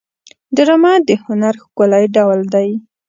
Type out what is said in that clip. ډرامه د هنر ښکلی ډول دی